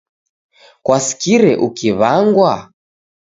Kwasikire ukiw'angwa?